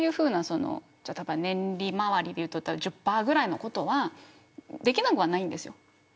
年利回りでいうと１０％ぐらいのことはできなくはないんです。